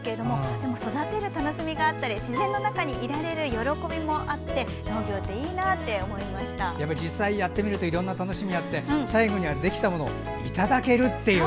でも育てる楽しみがあったり自然の中にいられる喜びもあって実際、やってみるといろんな楽しみがあって最後には、できたものをいただけるという。